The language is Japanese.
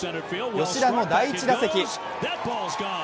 吉田の第１打席。